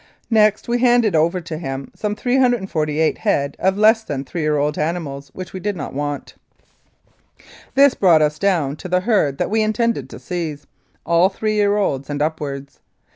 Next we handed over to him some 348 head of less than three year old animals which we did not want. This brought us down to the herd that we intended to seize all three year olds and upwards.